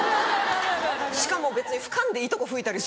しかも別に拭かんでいいとこ拭いたりする。